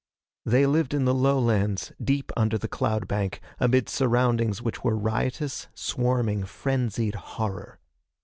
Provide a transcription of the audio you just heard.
They lived in the lowlands, deep under the cloud bank, amid surroundings which were riotous, swarming, frenzied horror.